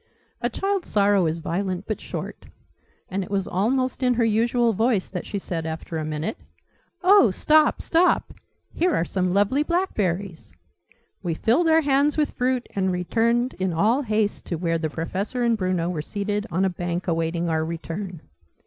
A child's sorrow is violent but short; and it was almost in her usual voice that she said after a minute "Oh stop stop! Here are some lovely blackberries!" We filled our hands with fruit and returned in all haste to where the Professor and Bruno were seated on a bank awaiting our return.